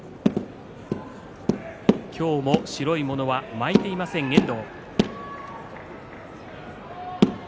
今日も白いものは巻いていません遠藤。